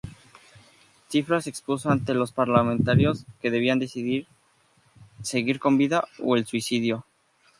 Tsipras expuso ante los parlamentarios que debían decidir "seguir con vida o el suicidio".